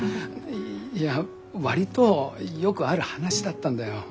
いや割とよくある話だったんだよ。